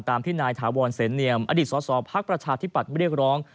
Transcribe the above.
ตามที่นายถาวรเสนเนียมอดีตสสพักประชาธิปัตย์เรียกร้อง